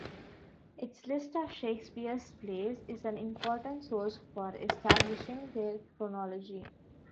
Its list of Shakespeare's plays is an important source for establishing their chronology.